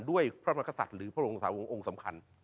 ด้วยพระมรักษัตริย์หรือพระองค์สำคัญ